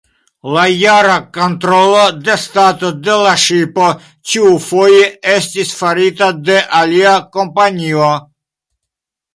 La jara kontrolo de stato de la ŝipo ĉiufoje estis farita de alia kompanio.